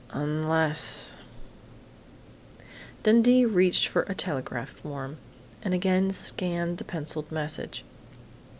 Unless " Dundee reached for a telegraph form and again scanned the pencilled message.